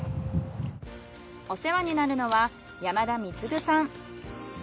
お世話になるのは山田貢さん。